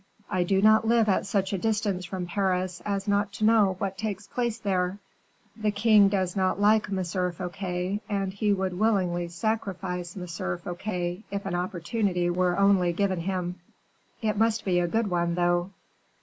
"I do not live at such a distance from Paris as not to know what takes place there. The king does not like M. Fouquet, and he would willingly sacrifice M. Fouquet if an opportunity were only given him." "It must be a good one, though."